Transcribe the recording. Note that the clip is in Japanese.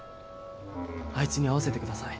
あいつに会わせてください。